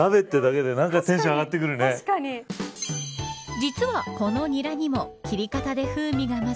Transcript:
実は、このニラにも切り方で風味が増す。